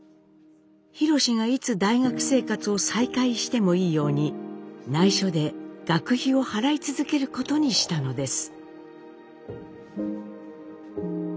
ひろしがいつ大学生活を再開してもいいようにないしょで学費を払い続けることにしたのです。